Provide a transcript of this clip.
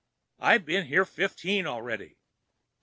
I've been here fifteen already!"